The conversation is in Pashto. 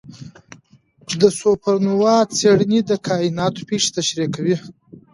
د سوپرنووا څېړنې د کائنات پېښې تشریح کوي.